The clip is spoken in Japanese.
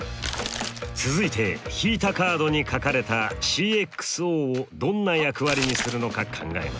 続いて引いたカードに書かれたＣｘＯをどんな役割にするのか考えます。